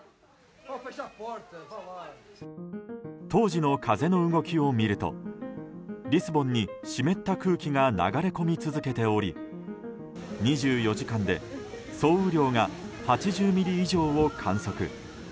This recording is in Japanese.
当時の風の動きを見るとリスボンに湿った空気が流れ込み続けており２４時間で総雨量が８０ミリ以上を観測。